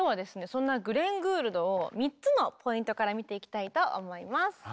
そんなグレン・グールドを３つのポイントから見ていきたいと思います。